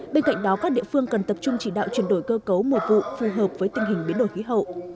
bên cạnh đó các địa phương cần tập trung chỉ đạo chuyển đổi cơ cấu mùa vụ phù hợp với tình hình biến đổi khí hậu